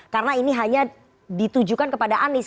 karena ini hanya ditujukan kepada anies